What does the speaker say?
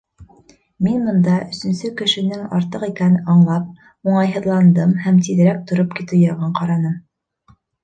Мин бында өсөнсө кешенең артыҡ икәнен аңлап, уңайһыҙландым һәм тиҙерәк тороп китеү яғын ҡараным.